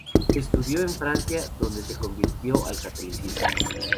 Estudió en Francia donde se convirtió al catolicismo.